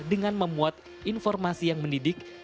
dengan memuat informasi yang berkembang di masyarakat